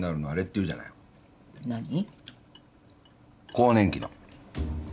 更年期の。